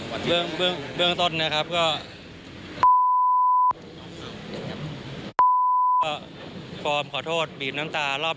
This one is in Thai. ไม่ได้เลี้ยงดูผมมาแล้วก็ไม่ได้เลี้ยงส่งเสียผมมาครับ